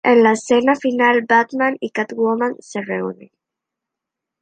En la escena final Batman y Catwoman se reúnen.